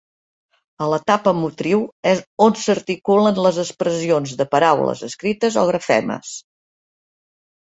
A l'etapa motriu és on s'articulen les expressions de paraules escrites o grafemes.